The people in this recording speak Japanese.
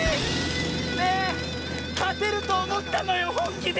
ねえかてるとおもったのよほんきで！